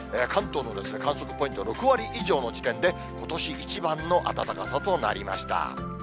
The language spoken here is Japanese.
関東の観測ポイント、６割以上の地点で、ことし一番の暖かさとなりました。